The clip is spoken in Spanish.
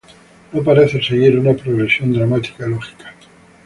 No parece seguir una progresión dramática lógica.